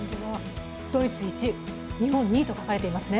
ドイツ１位、日本２位と書かれていますね。